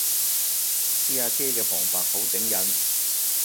啲阿姐嘅旁白好頂癮